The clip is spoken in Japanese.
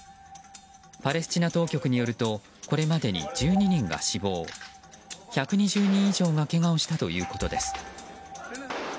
パレスチナ当局によるとこれまでに１２人が死亡１２０人以上がけがをしたということです。